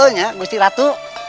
iya gusti radu